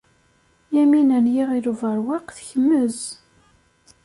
Yamina n Yiɣil Ubeṛwaq tekmez.